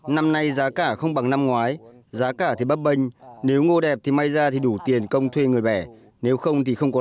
năm nay giá cả không bằng năm ngoái giá cả thì bấp bênh nếu ngô đẹp thì may ra thì đủ tiền công thuê người bẻ nếu không thì không có